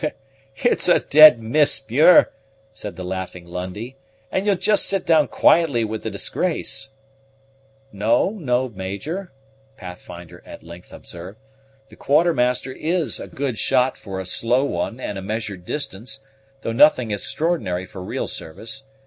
"It's a dead miss, Muir," said the laughing Lundie; "and ye'll jist sit down quietly with the disgrace." "No, no, Major," Pathfinder at length observed; "the Quartermaster is a good shot for a slow one and a measured distance, though nothing extr'ornary for real service.